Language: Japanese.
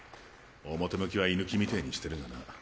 表向きは居抜きみてぇにしてるがな。